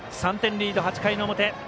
３点リード、８回の表。